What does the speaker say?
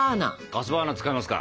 ガスバーナー使いますか。